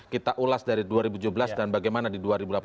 kita ulas dari dua ribu tujuh belas dan bagaimana di dua ribu delapan belas